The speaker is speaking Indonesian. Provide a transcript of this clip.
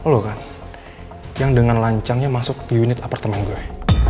lo kan yang dengan lancangnya masuk ke unit apartemen gue